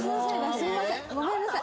すいませんごめんなさい。